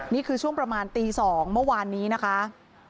นี่คือช่วงประมาณตี๒เมื่อวานนี้นะคะ